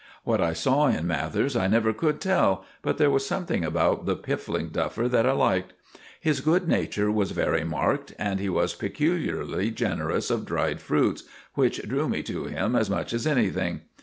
What I saw in Mathers I never could tell, but there was something about the piffling duffer that I liked. His good nature was very marked, and he was peculiarly generous of dried fruits, which drew me to him as much as anything.